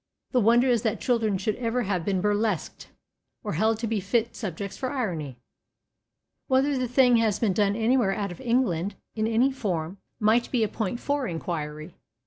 The wonder is that children should ever have been burlesqued, or held to be fit subjects for irony. Whether the thing has been done anywhere out of England, in any form, might be a point for enquiry.